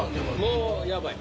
もうヤバい。